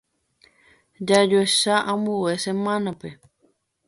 Jajoecha ambue semana-pe.